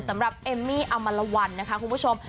สำหรับเอมมี่อมรวรณนะคะคุณผู้ชม